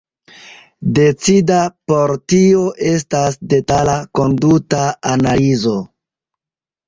Decida por tio estas detala konduta analizo.